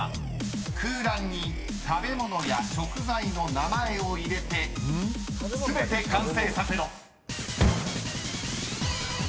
空欄に食べ物や食材の名前を入れて全て完成させろ］